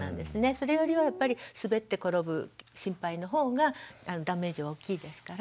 それよりは滑って転ぶ心配の方がダメージは大きいですから。